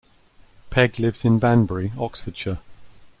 Pegg lives in Banbury, Oxfordshire.